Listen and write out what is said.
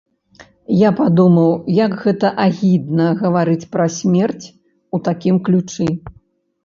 Я падумаў, як гэта агідна гаварыць пра смерць у такім ключы.